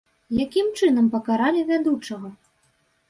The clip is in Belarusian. Якім чынам пакаралі вядучага?